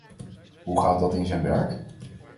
Hoe gaat dat in zijn werk?